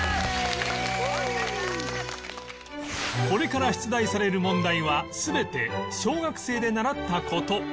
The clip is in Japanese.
これから出題される問題は全て小学生で習った事